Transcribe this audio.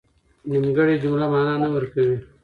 نيمګړې جمله مانا نه ورکوي.